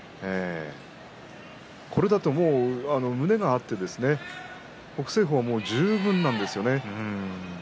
これだと、もう胸が合って北青鵬、十分なんですよね。